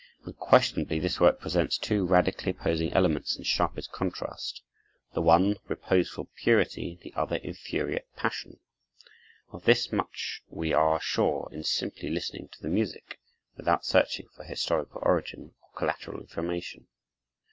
Unquestionably this work presents two radically opposing elements in sharpest contrast; the one, reposeful purity; the other, infuriate passion. Of this much we are sure in simply listening to the music, without searching for historical origin or collateral information.